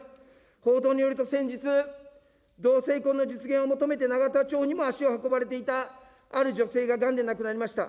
報道によると先日、同性婚の実現を求めて永田町にも足を運ばれていたある女性ががんで亡くなりました。